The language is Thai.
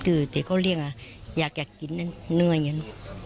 ก็คือที่เขาเรียกอยากกินเงื่อน